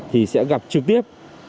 thì sẽ gặp trực tiếp